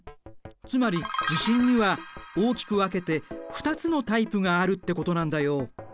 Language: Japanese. つまり地震には大きく分けて２つのタイプがあるってことなんだよ。